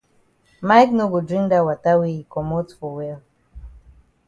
Mike no go drink dat wata wey yi komot for well.